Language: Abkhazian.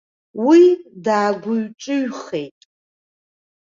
Уи даагәыҩ-ҿыҩхеит.